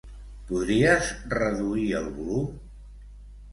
Podries reduir el volum?